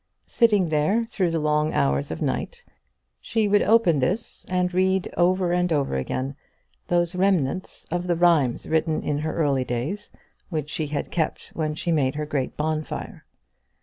Sitting there through the long hours of night, she would open this and read over and over again those remnants of the rhymes written in her early days which she had kept when she made her great bonfire.